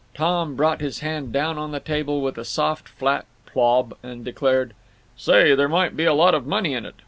Tom brought his hand down on the table with a soft flat "plob" and declared: "Say, there might be a lot of money in it.